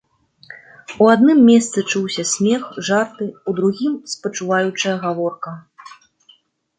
У адным месцы чуўся смех, жарты, у другім спачуваючая гаворка.